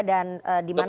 dan dimana kemudian